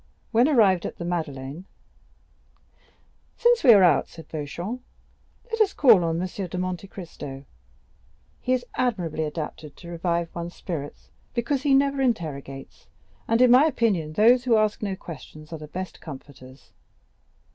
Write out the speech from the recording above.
When they arrived at the Madeleine: "Since we are out," said Beauchamp, "let us call on M. de Monte Cristo; he is admirably adapted to revive one's spirits, because he never interrogates, and in my opinion those who ask no questions are the best comforters."